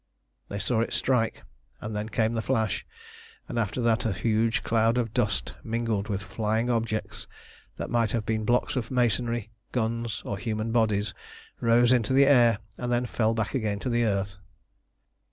_] They saw it strike, and then came the flash, and after that a huge cloud of dust mingled with flying objects that might have been blocks of masonry, guns, or human bodies, rose into the air, and then fell back again to the earth.